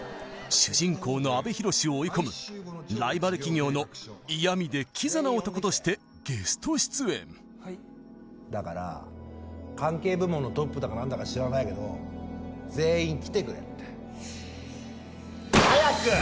主人公の阿部寛を追い込むライバル企業の嫌みでキザな男としてゲスト出演だから関係部門のトップだか何だか知らないけど全員来てくれって早く！